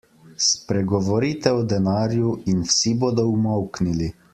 Spregovorite o denarju in vsi bodo umolknili.